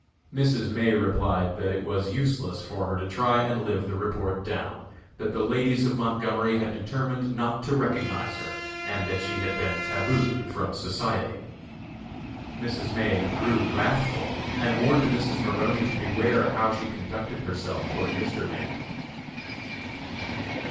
Mrs. May replied that it was useless for her to try and live the report down; that the ladies of Montgomery had determined not to recognize her, and that she had been tabooed from society. Mrs. May grew wrathful and warned Mrs. Maroney to beware how she conducted herself toward Mr. May.